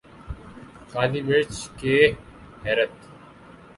کالی مرچ کے حیرت